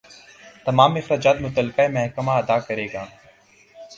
تمام اخراجات متعلقہ محکمہ ادا کرے گا